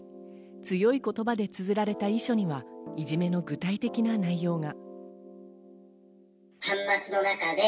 強い言葉でつづられた遺書には、いじめの具体的な内容が。